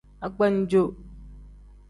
Agbanjo.